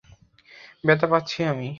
ব্যথা পাচ্ছি আমি!